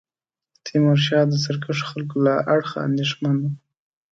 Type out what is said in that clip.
تیمورشاه د سرکښو خلکو له اړخه اندېښمن وو.